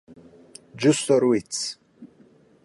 Justo Ruiz